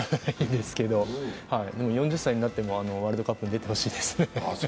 でも４０歳になってもワールドカップに出てほしいですね。